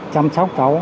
chăm sóc cháu